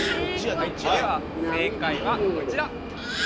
では正解はこちら！